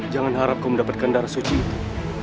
jangan harap kau mendapatkan darah suci itu